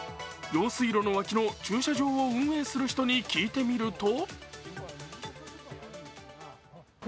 用水路の脇の駐車場を運営する人に聞いてみると。